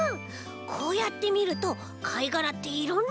こうやってみるとかいがらっていろんなのがあるんだね。